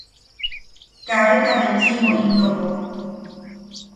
Kaabeta betchiʼibo intoko.